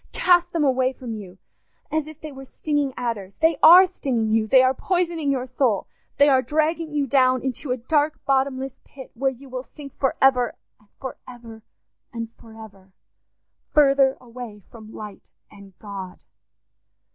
Cast them away from you, as if they were stinging adders. They are stinging you—they are poisoning your soul—they are dragging you down into a dark bottomless pit, where you will sink for ever, and for ever, and for ever, further away from light and God."